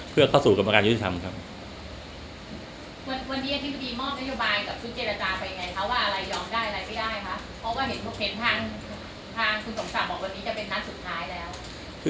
เพื่อเข้าสู่กรรมการยุทธิธรรมครับ